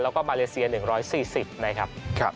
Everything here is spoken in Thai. แล้วก็มาเลเซีย๑๔๐นะครับ